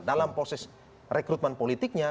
dalam proses rekrutmen politiknya